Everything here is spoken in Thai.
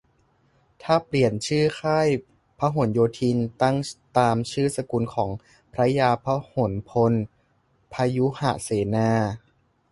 ถ้าเปลี่ยนชื่อ "ค่ายพหลโยธิน" ตั้งตามชื่อสกุลของพระยาพหลพลพยุหเสนา